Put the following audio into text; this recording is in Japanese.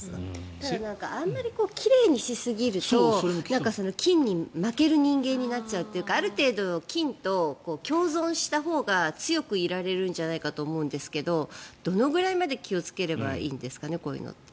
ただあまり奇麗にしすぎると菌に負ける人間になっちゃうというかある程度、菌と共存したほうが強くいられるんじゃないかと思うんですけどどのくらいまで気をつければいいんですかね。